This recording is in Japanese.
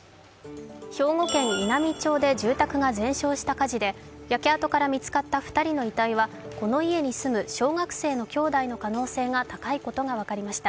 兵庫県稲美町で住居が全焼した火事で焼け跡から見つかった２人の遺体はこの家に住む小学生の兄弟の可能性が高いことが分かりました。